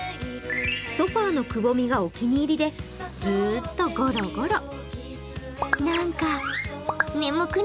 ソファーのくぼみがお気に入りでずーっとゴロゴロ。